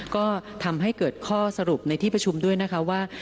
ก็ทำให้เกิดข้อสรุปในที่ประชุมด้วยนะคะว่า